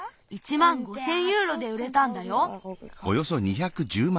まん５，０００ユーロでうれたんだよ。